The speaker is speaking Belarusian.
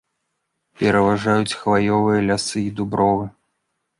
Пераважаюць хваёвыя лясы і дубровы.